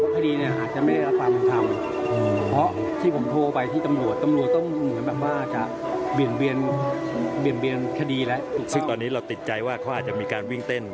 คให้ว่าเค้าอาจจะมีการวิ่งเต้น